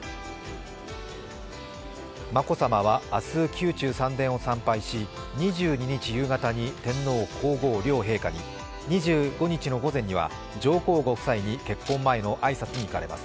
眞子さまは明日、宮中三殿を参拝し、２２日夕方に天皇・皇后両陛下に、２５日の午前には上皇ご夫妻に結婚前のご挨拶に伺います。